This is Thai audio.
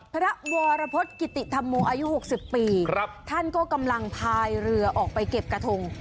พระวรพฤษกิติธรรมโมอายุ๖๐ปีท่านก็กำลังพายเรือออกไปเก็บกระทง